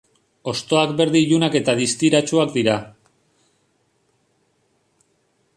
Hostoak berde ilunak eta distiratsuak dira.